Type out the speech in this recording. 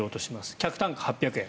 客単価８００円。